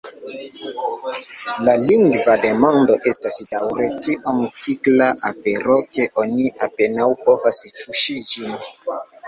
La lingva demando estas daŭre tiom tikla afero, ke oni apenaŭ povas tuŝi ĝin.